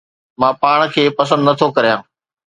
مان پاڻ کي پسند نٿو ڪريان